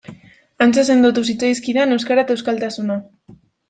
Hantxe sendotu zitzaizkidan euskara eta euskaltasuna.